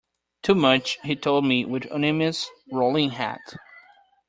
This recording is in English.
Too much, he told me, with ominous rolling head.